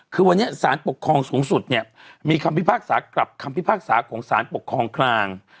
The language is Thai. คือวันนี้สารปกครองสูงสุดเนี่ยมีคำพิพากษากลับคำพิพากษาของสารปกครองกลาง